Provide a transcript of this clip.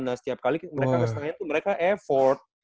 nah setiap kali mereka ke setengahnya tuh mereka effort